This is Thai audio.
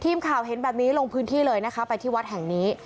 ทีมข่าวเห็นแบบนี้ลงพื้นที่เลยนะคะไปที่วัดแห่งนี้